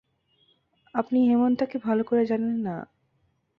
আপনি হেমন্তকে ভালো করে জানেন না।